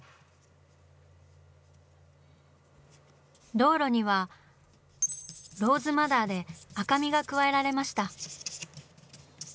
道路には「ローズマダー」で赤みが加えられました。